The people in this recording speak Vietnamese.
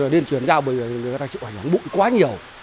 đến truyền giao bởi người ta chịu hành hóng bụi quá nhiều